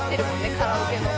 カラオケの。